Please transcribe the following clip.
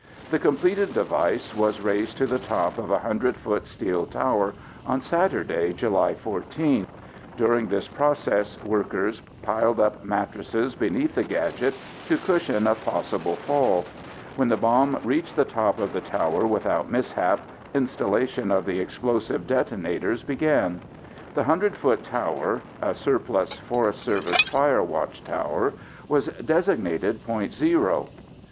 The completed device was raised to the top of a 100 foot steel tower on Saturday, July 14. During this process workers piled up mattresses beneath the gadget to cushion a possible fall. When the bomb reached the top of the tower without mishap, installation of the explosive detonators began. The 100 foot tower (a surplus Forest Service fire watch tower) was designated Point Zero.